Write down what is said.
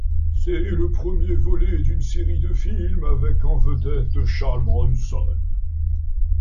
C'est le premier volet d'une série de films avec en vedette Charles Bronson.